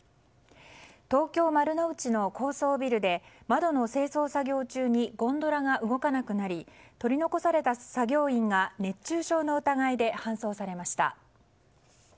東京・丸の内の高層ビルで窓の清掃作業中にゴンドラが動かなくなり取り残された作業員が熱中症の疑いで搬送されました。